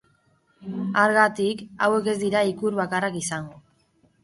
Hargatik, hauek ez dira ikur bakarrak izango.